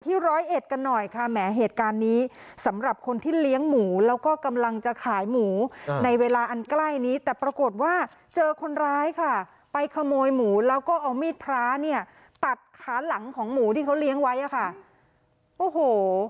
ร้อยเอ็ดกันหน่อยค่ะแหมเหตุการณ์นี้สำหรับคนที่เลี้ยงหมูแล้วก็กำลังจะขายหมูในเวลาอันใกล้นี้แต่ปรากฏว่าเจอคนร้ายค่ะไปขโมยหมูแล้วก็เอามีดพระเนี่ยตัดขาหลังของหมูที่เขาเลี้ยงไว้อะค่ะโอ้โห